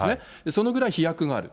そのぐらい飛躍がある。